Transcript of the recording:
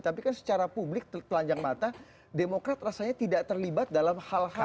tapi kan secara publik telanjang mata demokrat rasanya tidak terlibat dalam hal hal